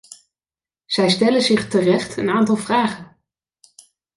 Zij stellen zich terecht een aantal vragen.